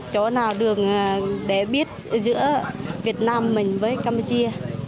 chỗ nào đường để biết giữa việt nam mình với campuchia